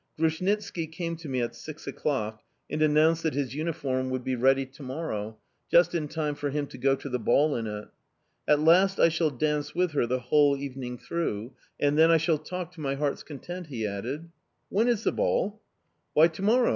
Grushnitski came to me at six o'clock and announced that his uniform would be ready to morrow, just in time for him to go to the ball in it. "At last I shall dance with her the whole evening through... And then I shall talk to my heart's content," he added. "When is the ball?" "Why, to morrow!